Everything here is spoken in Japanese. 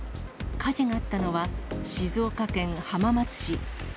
火事があったのは、静岡県浜松市。